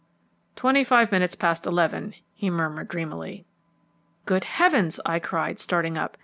"Twenty five minutes past eleven," he murmured dreamily. "Good heavens!" I cried, starting up.